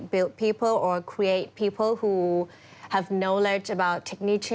ที่จะเป็นการประสบความแรงในไทย